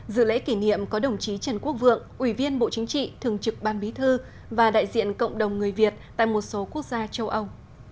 dự lễ kỷ niệm có đồng chí trần quốc vượng ủy viên bộ chính trị thường trực ban bí thư và đại diện cộng đồng người việt tại một số quốc gia châu âu